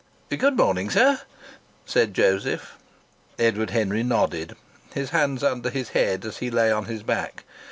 "Good morning, sir," said Joseph. Edward Henry nodded, his hands under his head as he lay on his back.